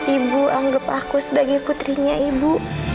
ibu anggap aku sebagai putrinya ibu